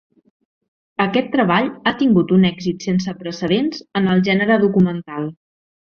Aquest treball ha tingut un èxit sense precedents en el gènere documental.